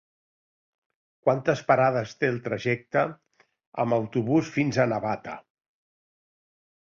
Quantes parades té el trajecte en autobús fins a Navata?